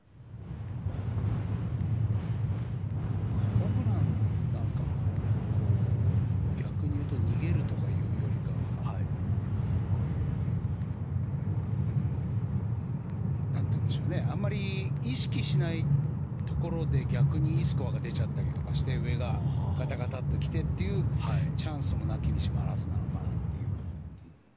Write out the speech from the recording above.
ホブランなんかも逆に言うと逃げるとかいうよりかはあまり意識しないところで逆にいいスコアが出ちゃったりとかして上がガタガタっと来てというチャンスもなきにしもあらずなのかなと。